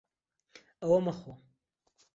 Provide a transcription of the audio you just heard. ئەوە مەخۆ.